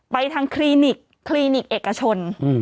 ไปทางคลินิกคลินิกเอกชน